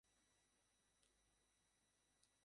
ঐভাবে জেলে বদ্ধ থেকে।